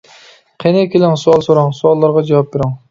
قېنى، كېلىڭ، سوئال سوراڭ، سوئاللارغا جاۋاب بېرىڭ!